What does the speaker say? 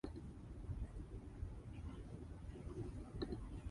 The town gets it water as tap water from a treated source.